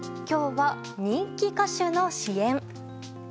今日は人気歌手の支援。